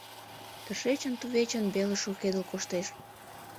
- Тышечын-тувечын веле шуркедыл коштеш.